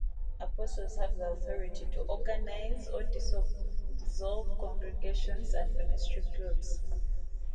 Apostles have the authority to organize or dissolve congregations and ministry groups.